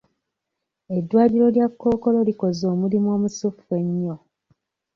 Eddwaliro lya kkookolo likoze omulimu omusufu ennyo.